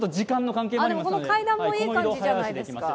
この階段もいい感じじゃないですか。